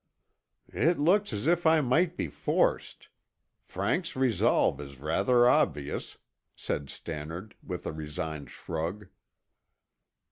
"It looks as if I might be forced. Frank's resolve is rather obvious," said Stannard with a resigned shrug.